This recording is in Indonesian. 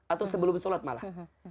atau sebelum sholat malah